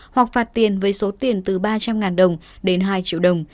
hoặc phạt tiền với số tiền từ ba trăm linh đồng đến hai triệu đồng